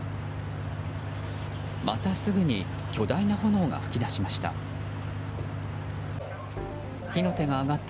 またすぐに巨大な炎が噴き出しました。